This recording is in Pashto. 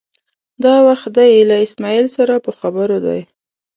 دا وخت دی له اسمعیل سره په خبرو دی.